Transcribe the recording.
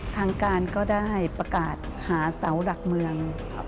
ทางการก็ได้ประกาศหาเสาหลักเมือง